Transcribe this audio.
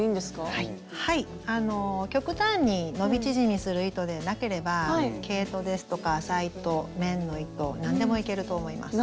はい極端に伸び縮みする糸でなければ毛糸ですとか麻糸綿の糸何でもいけると思います。